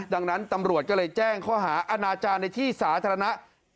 ดังนั้นตำรวจก็เลยแจ้งข้อหาอาณาจารย์ในที่สาธารณะ